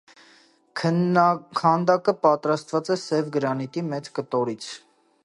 Քանդակը պատրաստված է սև գրանիտի մեծ կտորից։